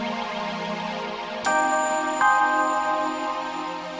itu alasannya papa gak membiarkan kamu ketemu sama nino